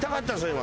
今。